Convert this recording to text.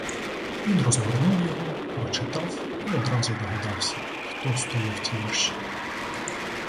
Він розгорнув його, прочитав і одразу догадався, хто стулив ті вірші.